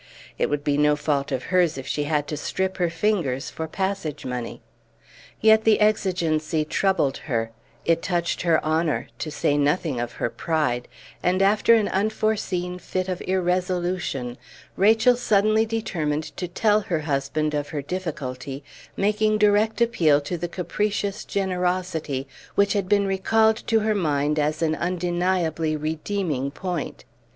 It would be no fault of hers if she had to strip her fingers for passage money. Yet the exigency troubled her; it touched her honor, to say nothing of her pride; and, after an unforeseen fit of irresolution, Rachel suddenly determined to tell her husband of her difficulty, making direct appeal to the capricious generosity which had been recalled to her mind as an undeniably redeeming point.